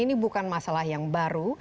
ini bukan masalah yang baru